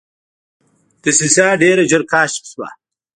دسیسه ډېره ژر کشف شوه.